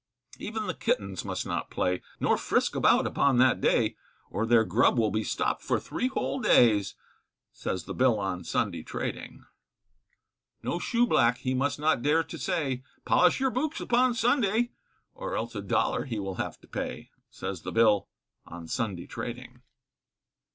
Even the kittens must not play, Nor frisk about upon that day, Or their grub will be stopped for three whole days, Says the Bill on Sunday trading. No shoeblack, he must not dare to say, Polish your boots upon Sunday, Or else a dollar he will have to pay, Says the Bill on Sunday trading.